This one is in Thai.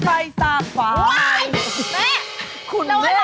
คุณเมฆจะบอกว่าแล้วอะไรล่ะ